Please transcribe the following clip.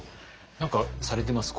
何かされてます？